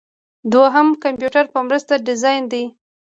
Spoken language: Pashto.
دوهم د کمپیوټر په مرسته ډیزاین دی.